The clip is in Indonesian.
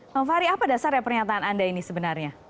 bang fahri apa dasarnya pernyataan anda ini sebenarnya